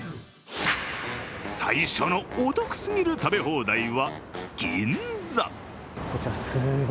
最初のお得すぎる食べ放題は銀座。